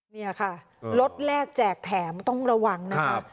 นี่ค่ะรถแรกแจกแถมต้องระวังนะครับ